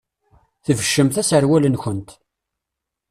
Tbeccemt aserwal-nkent.